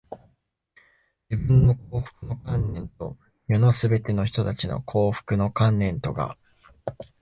自分の幸福の観念と、世のすべての人たちの幸福の観念とが、